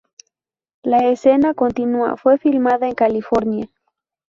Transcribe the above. La escena continua fue filmada en California.